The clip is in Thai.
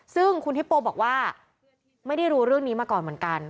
ซึ่งคุณฮิปโปบอกว่าไม่ได้รู้เรื่องนี้มาก่อนเหมือนกัน